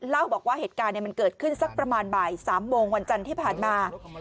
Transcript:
เล่าบอกว่าเหตุการณ์มันเกิดขึ้นสักประมาณบ่าย๓โมงวันจันทร์ที่ผ่านมา